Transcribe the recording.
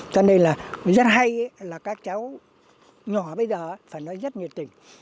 cho nên là rất hay là các cháu nhỏ bây giờ phải nói rất nhiệt tình